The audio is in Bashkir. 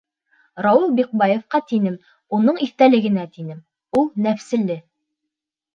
Рауил Бикбаевҡа, тинем, улың иҫтәлегенә, тинем: Ул — нәфселе.